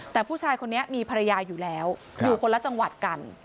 แต่ผู้ชายคนนี้มีภรรยาอยู่แล้วอยู่คนละจังหวัดกัน